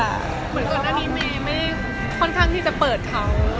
เหมือนกันอันนี้ไม่ค่อนข้างที่จะเปิดเขา